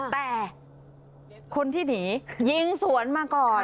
แต่คนที่หนียิงสวนมาก่อน